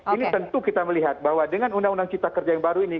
ini tentu kita melihat bahwa dengan undang undang cipta kerja yang baru ini